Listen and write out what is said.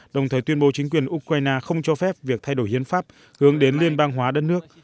đồng thời tuyên bố chính quyền ukraine không cho phép việc thay đổi hiến pháp hướng đến liên bang hóa đất nước